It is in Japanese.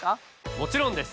もちろんです！